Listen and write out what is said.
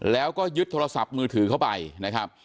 แล้วก็ยึดโทรศัพท์มือถือเข้าไปนะครับ